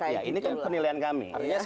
ya ini kan penilaian kami